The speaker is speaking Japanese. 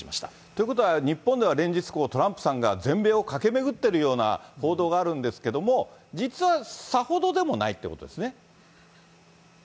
ということは、日本では連日、トランプさんが全米を駆け巡ってるような報道があるんですけれども、実はさほどでもないということですね。